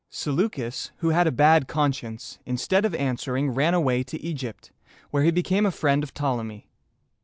Seleucus, who had a bad conscience, instead of answering, ran away to Egypt, where he became a friend of Ptolemy.